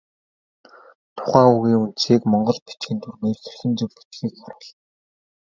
Тухайн үгийн үндсийг монгол бичгийн дүрмээр хэрхэн зөв бичихийг харуулна.